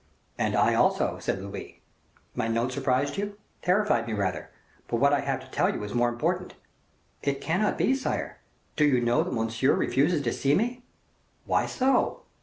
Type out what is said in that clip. "And I also," said Louis. "My note surprised you?" "Terrified me rather. But what I have to tell you is more important." "It cannot be, sire. Do you know that Monsieur refuses to see me?" "Why so?"